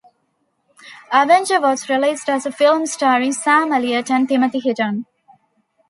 Avenger was released as a film starring Sam Elliott and Timothy Hutton.